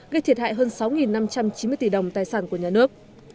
gây thiệt hại hơn sáu năm trăm chín mươi tỷ đồng tài sản của nhà nước